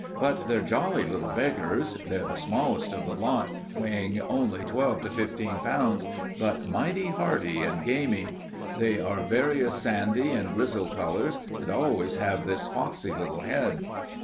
But they're jolly little beggars. They're the smallest of the lot, weighing only twelve to fifteen pounds, but mighty hardy and gamey. They are various sandy and grizzled colors and always have this foxy little head.